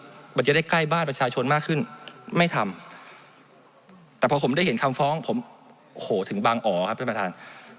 มันจะได้ใกล้บ้านประชาชนมากขึ้นไม่ทำแต่พอผมได้เห็นคำฟ้องผมโหถึงบางอ๋อครับท่านประธาน